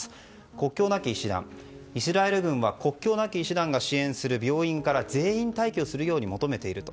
国境なき医師団イスラエル軍は国境なき医師団が支援する病院から全員退去するように求めていると。